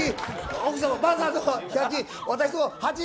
奥様、バザーの１００均。